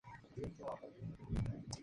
El torneo se disputa en pista dura cubierta.